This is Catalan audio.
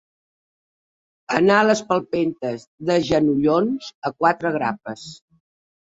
Anar a les palpentes, de genollons, a quatre grapes.